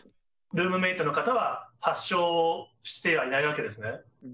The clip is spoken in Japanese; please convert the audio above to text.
ルームメートの方は、発症してはいないわけですね。